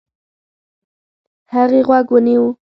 هغې غوږ ونيو.